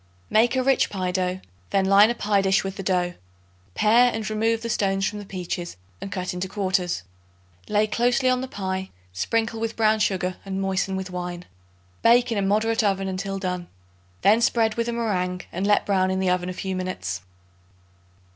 Make a rich pie dough; then line a pie dish with the dough. Pare and remove the stones from the peaches and cut into quarters. Lay closely on the pie; sprinkle with brown sugar and moisten with wine. Bake in a moderate oven until done. Then spread with a meringue and let brown in the oven a few minutes.